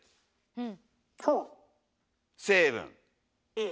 うん。